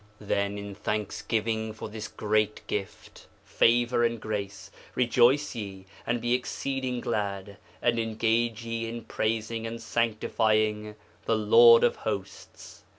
'Then, in thanksgiving for this great gift, favour, and grace, rejoice ye and be exceeding glad, and engage ye in praising and sanctifying the Lord of Hosts.